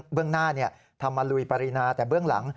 เบื้องหน้าเนี่ยทำมาลุยปารีนาแต่เบื้องหลัง